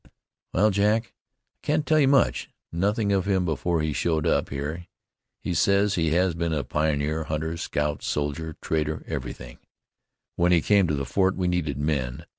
"Well, Jack, I can't tell you much; nothing of him before he showed up here. He says he has been a pioneer, hunter, scout, soldier, trader everything. When he came to the fort we needed men.